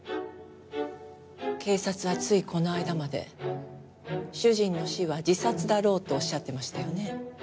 警察はついこの間まで主人の死は自殺だろうとおっしゃっていましたよね？